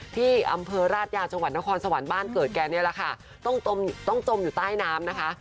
ที่อำเภอราชยาจังหวัดนครสวรรค์บ้านเกิดแกนี่แหละค่ะต้องจมอยู่ใต้น้ำนะคะ